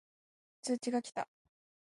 通知が来た